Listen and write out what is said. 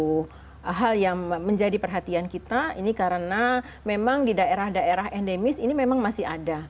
dan ini menjadi suatu hal yang menjadi perhatian kita ini karena memang di daerah daerah endemis ini memang masih ada